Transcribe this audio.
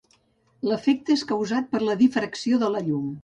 L'efecte és causat per la difracció de la llum.